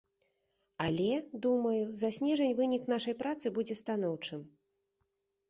Але, думаю, за снежань вынік нашай працы будзе станоўчым.